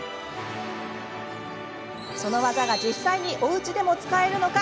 その技が実際におうちでも使えるのか？